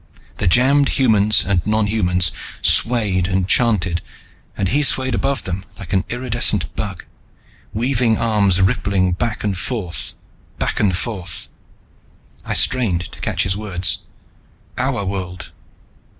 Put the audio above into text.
The jammed humans and nonhumans swayed and chanted and he swayed above them like an iridescent bug, weaving arms rippling back and forth, back and forth. I strained to catch his words. "Our world